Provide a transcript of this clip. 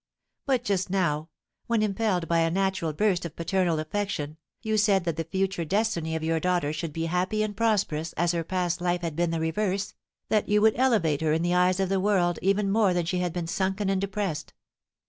But just now, when impelled by a natural burst of paternal affection, you said that the future destiny of your daughter should be happy and prosperous as her past life had been the reverse, that you would elevate her in the eyes of the world even more than she had been sunken and depressed.